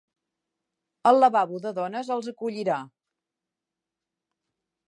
El lavabo de dones els acollirà.